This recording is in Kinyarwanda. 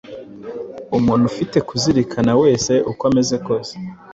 Umuntu ufite kuzirikana wese uko ameze kose